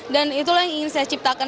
dan itulah yang ingin saya ciptakan